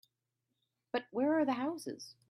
But where are the houses?